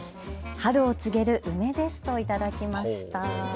春を告げる梅ですといただきました。